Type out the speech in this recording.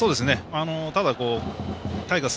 ただ、タイガース